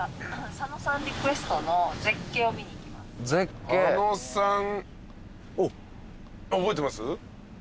佐野さん覚えてます？